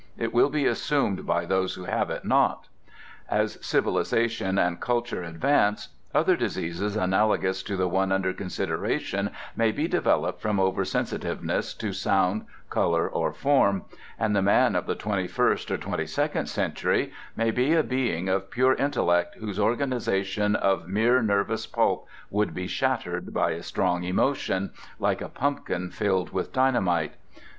It will be assumed by those who have it not.... As civilization and culture advance, other diseases analogous to the one under consideration may be developed from oversensitiveness to sound, colour, or form, and the man of the twenty first or twenty second century may be a being of pure intellect whose organization of mere nervous pulp would be shattered by a strong emotion, like a pumpkin filled with dynamite."